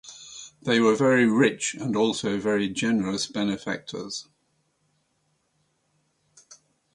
They were very rich and also very generous benefactors.